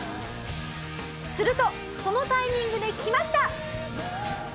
するとそのタイミングできました！